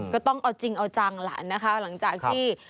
ก็ต้องเอาจริงเอาจังหลังจากที่